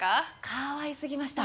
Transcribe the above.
かわいすぎました。